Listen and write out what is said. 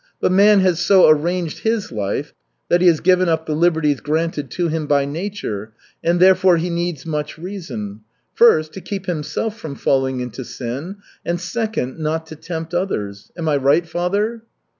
"But man has so arranged his life, that he has given up the liberties granted to him by nature, and therefore he needs much reason: first, to keep himself from falling into sin, and second, not to tempt others. Am I right, father?"